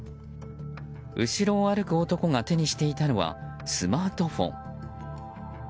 後ろを歩く男が手にしていたのはスマートフォン。